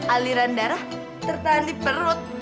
aliran darah tertahan di perut